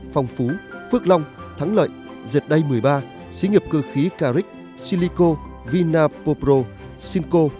phong phú phước long thắng lợi dệt đay một mươi ba sĩ nghiệp cơ khí carix silico vinapopro sinko